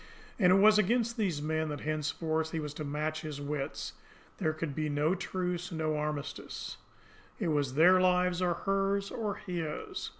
And it was against these men that henceforth he was to match his wits! There could be no truce, no armistice. It was their lives, or hers, or his!